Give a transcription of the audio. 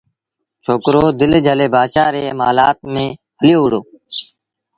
ڇوڪرو دل جھلي بآدشآ ريٚ مآلآت ميݩ هليو وهُڙو